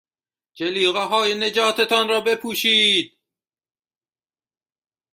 جلیقههای نجات تان را بپوشید.